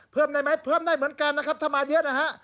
เพิ่มได้ไหมเพิ่มได้เหมือนกันนะครับถ้ามาเยอะนะฮะ